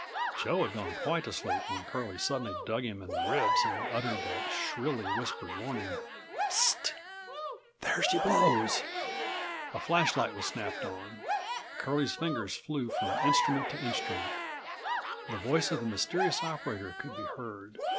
Joe had gone quite to sleep when Curlie suddenly dug him in the ribs and uttered the shrilly whispered warning: "Hist! There she blows!" A flashlight was snapped on. Curlie's fingers flew from instrument to instrument. The voice of the mysterious operator could be heard.